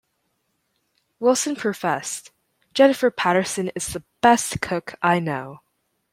Wilson professed, Jennifer Paterson is the best cook I know.